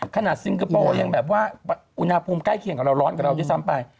ซิงคโปร์ยังแบบว่าอุณหภูมิใกล้เคียงกับเราร้อนกับเราด้วยซ้ำไป